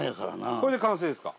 これで完成ですか。